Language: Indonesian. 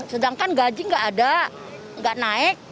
sedangkan gaji nggak ada nggak naik